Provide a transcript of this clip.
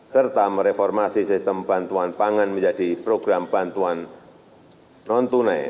serta mereformasi sistem bantuan pangan menjadi program bantuan non tunai